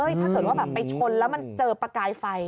ถ้าเกิดว่าแบบไปชนแล้วมันเจอประกายไฟ